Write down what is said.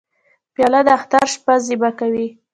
پیاله د اختر شپه زیبا کوي.